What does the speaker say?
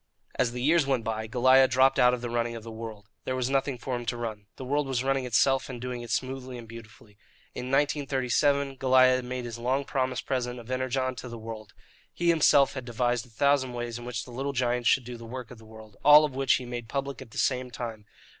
As the years went by, Goliah dropped out of the running of the world. There was nothing for him to run. The world was running itself, and doing it smoothly and beautifully. In 1937, Goliah made his long promised present of Energon to the world. He himself had devised a thousand ways in which the little giant should do the work of the world all of which he made public at the same time.